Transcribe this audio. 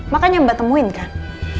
makanya mbak temuin kan